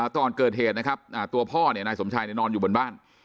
ก่อนเกิดเหตุนะครับตัวพ่อนายสมชายนอนอยู่บนบ้าน